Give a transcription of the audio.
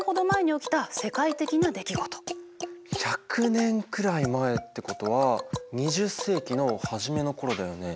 １００年くらい前ってことは２０世紀の初めの頃だよね。